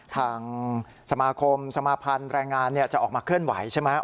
ทางสมาคมสมาพันธ์แรงงานจะออกมาเคลื่อนไหวใช่ไหม